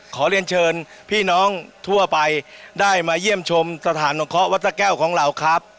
ขอเรียนเชิญพี่น้องทั่วไปได้มาเยี่ยมชมสถานสงเคราะหวัดพระแก้วของเราครับ